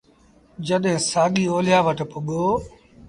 جڏهيݩ سآڳي اوليآ وٽ پُڳو